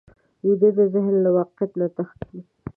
ویده ذهن له واقعیت نه تښتي